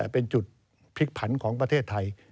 เป็นจุดพลิกผันของประเทศไทย